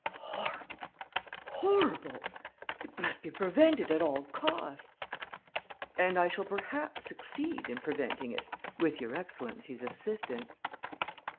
"Horrible! Horrible! It must be prevented at all costs...." "And I shall perhaps succeed in preventing it, with your excellency's assistance."